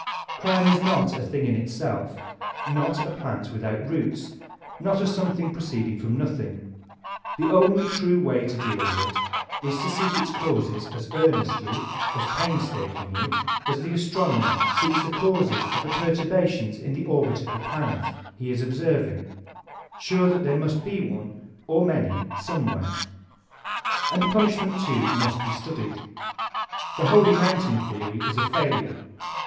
Crime is not a thing in itself, not a plant with Ceibce and Punishm£nt 175 OQt roots, oot a something proceeding from nothing ; and the only true way to deal with it is to seek its causes as earnestly, as painstakingly, as the astronomer seeks the causes of the perturbations in the orbit of the planet he is observing, sure that there must be one, or many, some where. And Punishment, too, must be studied. The holy mountain theory is a failure.